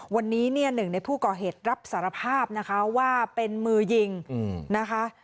วันนี้เนี่ยหนึ่งในผู้ก่อเหตุรับสารภาพนะคะว่าเป็นมือยิงนะคะ